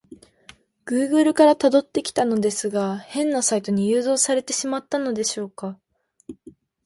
グーグルから辿ってきたのですが、変なサイトに誘導されてしまったのでしょうか？